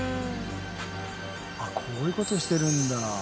あっこういう事してるんだ。